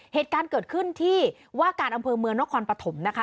เหตุการณ์เกิดขึ้นที่ว่าการอำเภอเมืองนครปฐมนะคะ